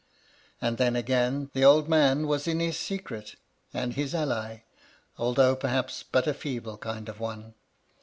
And then, again, the old man was in his secret, and his ally, although perhaps but a feeble kind of one.